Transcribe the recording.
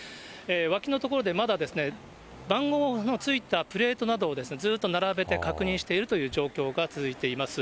脇の所でまだ、番号の付いたプレートなどをずっと並べて、確認しているという状況が続いています。